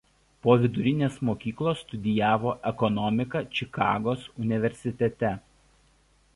Po vidurinės mokyklos studijavo ekonomiką Čikagos universitete.